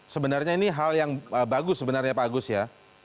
sebenarnya ini hal yang bagus sebenarnya bagus ya